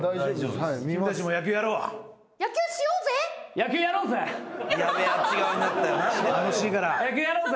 野球やろうぜ。